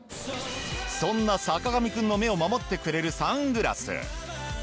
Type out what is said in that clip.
そんな坂上くんの目を守ってくれるサングラス。